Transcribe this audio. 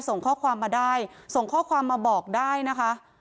ส่งข้อความมาได้ส่งข้อความมาบอกได้นะคะ